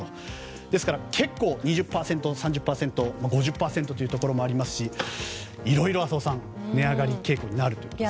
なので、結構２０％、３０％５０％というところもありますしいろいろ浅尾さん値上がり傾向になるそうです。